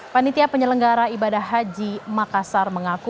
panitia penyelenggara ibadah haji makassar mengaku